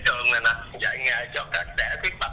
thông qua một cái cuộc thi này để